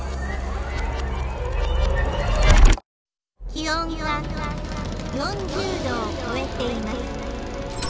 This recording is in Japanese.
「気温が４０℃を超えています。